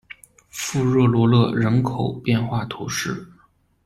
富热罗勒人口变化图示